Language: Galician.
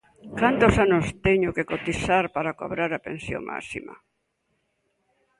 Cantos anos teño que cotizar para cobrar a pensión máxima?